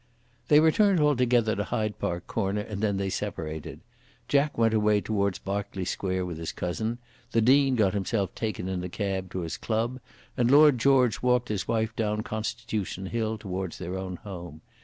They returned altogether to Hyde Park Corner and then they separated. Jack went away towards Berkeley Square with his cousin; the Dean got himself taken in a cab to his club; and Lord George walked his wife down Constitution Hill towards their own home.